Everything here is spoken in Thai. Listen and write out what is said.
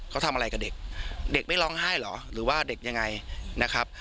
เขาทำอะไรกับเด็กเด็กไม่ร้องไห้เหรอหรือว่าเด็กยังไงนะครับ